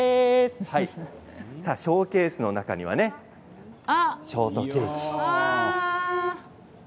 ショーケースの中にはショートケーキ。